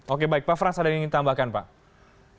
oke baik pak frans ada yang ingin ditambahkan pak